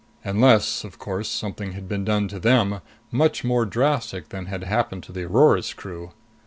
Unless, of course, something had been done to them much more drastic than had happened to the Aurora's crew.